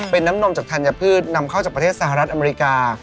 เป็นน้ำนมจากธัญพืชนำเข้าจากประเทศสหรัฐอเมริกา